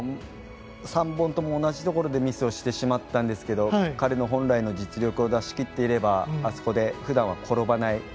３本とも同じところでミスをしてしまったんですが彼の本来の実力を出し切っていればあそこで、ふだんは転ばない。